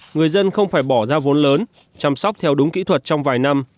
người dân không phải bỏ ra vốn lớn chăm sóc theo đúng kỹ thuật trong vài năm